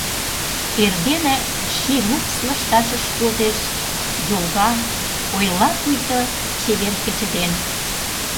Эрдене ший лупс лышташыш возеш, Йолга, ойла пуйто чевер кече ден.